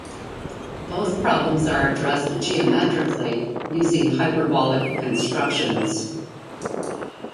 Both problems are addressed geometrically using hyperbolic constructions.